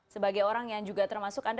sebagai orang yang juga termasuk anda